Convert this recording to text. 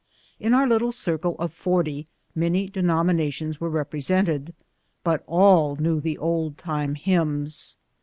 In our little circle of forty, many denominations were represented, but all knew the old time hymns.